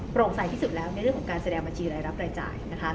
ใส่ที่สุดแล้วในเรื่องของการแสดงบัญชีรายรับรายจ่าย